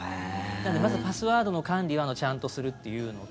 なので、まずパスワードの管理をちゃんとするっていうのと。